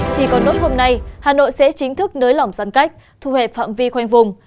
chỉ còn nốt hôm nay hà nội sẽ chính thức nới lỏng giãn cách thu hẹp phạm vi khoanh vùng